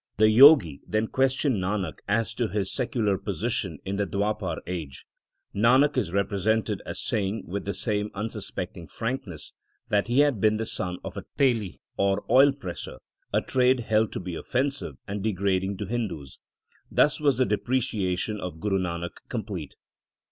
The Jogi then questioned Nanak as to his secular position in the Dwapar age. Nanak is represented as saying with the same unsuspecting frankness that he had been the son of a teli or oil presser, a trade held to be offensive and degrading to Hindus. Thus was the depreciation of Guru Nanak complete.